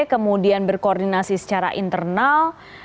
kemudian berkoordinasi secara internal